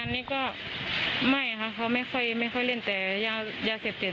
อันนี้ก็ไม่ค่ะเขาไม่ค่อยเล่นแต่ยาเสพติด